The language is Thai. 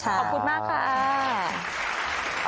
ขอบคุณมากค่ะ